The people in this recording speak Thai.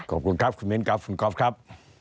ขอบคุณครับคุณมิ้นครับคุณก๊อฟครับ